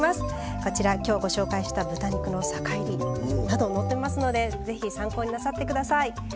こちら今日ご紹介した豚肉の酒いりなど載ってますので是非参考になさって下さい。